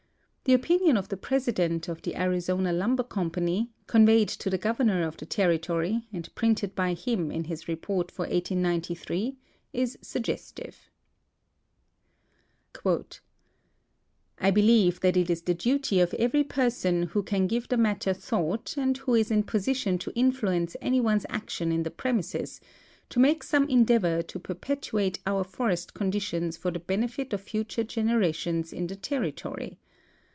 The opinion of the president of the Arizona Lumber Company, con veyed to the governor of the territory and printed by him in his report for 1893, is suggestive : I believe that it is the duty of every person who can give the matter thought and who is in position to influence any one's action in the prem ises, to make some endeavor to perpetuate oui* forest conditions for the benefit of future generations in the territory.